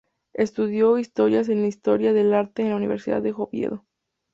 Estudió Historia e Historia del Arte en la Universidad de Oviedo.